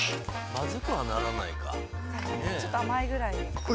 まずくはならないか。